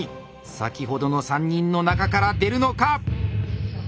先ほどの３人の中から出るのか？